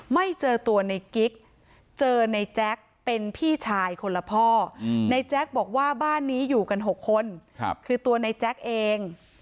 ไม่เจอตัวในกิ๊กเจอในแจ๊คเป็นพี่ชายคนละพ่อในแจ๊กบอกว่าบ้านนี้อยู่กัน๖คนคือตัวในแจ๊กเอง